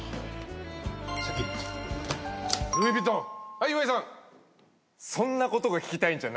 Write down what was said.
はい岩井さん。